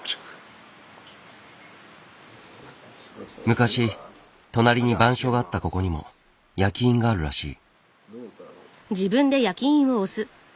昔隣に番所があったここにも焼き印があるらしい。